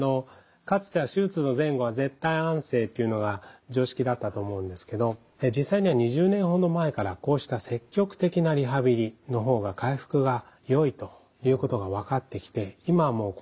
かつては手術の前後は絶対安静というのが常識だったと思うんですけど実際には２０年ほど前からこうした積極的なリハビリの方が回復がよいということが分かってきて今はもうこのやり方が主流なんですよね。